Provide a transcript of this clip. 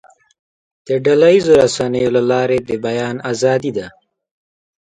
د ډله ییزو رسنیو له لارې د بیان آزادي ده.